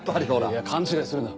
いや勘違いするな。